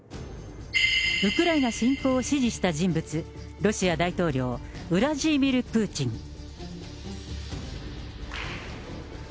ウクライナ侵攻を指示した人物、ロシア大統領、ウラジーミル・プーチン。